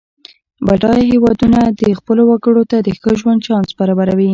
بډایه هېوادونه خپلو وګړو ته د ښه ژوند چانس برابروي.